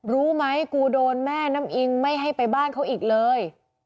รู้ไหมกูโดนแม่น้ำอิงไม่ให้ไปบ้านเขาอีกเลย